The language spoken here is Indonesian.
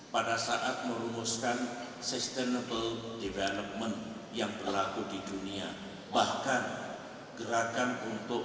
pada saat merumuskan sustainable development yang berlaku di dunia bahkan gerakan untuk